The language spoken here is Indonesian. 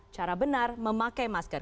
cara benar memakai masker